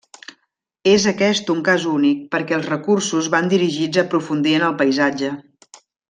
És aquest un cas únic perquè els recursos van dirigits a aprofundir en el paisatge.